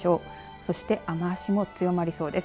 そして雨足も強まりそうです。